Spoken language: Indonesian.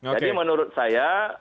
jadi menurut saya